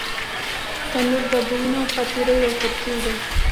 تنور د بویونو او خاطرو یو ترکیب دی